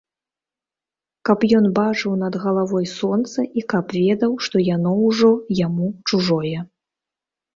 Каб ён бачыў над галавой сонца і каб ведаў, што яно ўжо яму чужое.